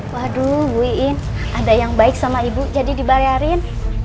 waduh buin ada yang baik sama ibu jadi dibayarin